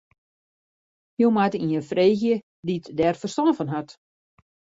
Jo moatte ien freegje dy't dêr ferstân fan hat.